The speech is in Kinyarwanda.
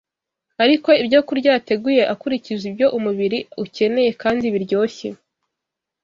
Ariko ibyokurya yateguye akurikije ibyo umubiri ukeneye kandi biryoshye